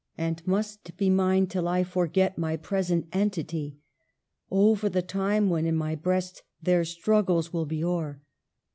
And must be mine till I forget My present entity ! Oh, for the time when in my breast Their struggles will be o'er